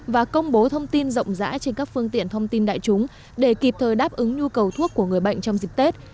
và công bố thông tin rộng rãi trên các phương tiện thông tin đại chúng để kịp thời đáp ứng nhu cầu thuốc của người bệnh trong dịp tết